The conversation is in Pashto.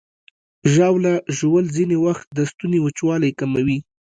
ژاوله ژوول ځینې وخت د ستوني وچوالی کموي.